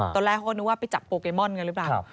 ตอนแรกเขาก็นึกว่าไปจับโปเกมอนกันหรือเปล่า